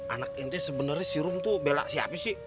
anak itu sebenarnya si rom belakang si api sih